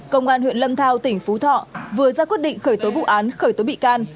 công an huyện lâm thao tỉnh phú thọ vừa ra quyết định khởi tố vụ án khởi tố bị can